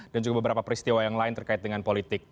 dan juga beberapa peristiwa yang lain terkait dengan politik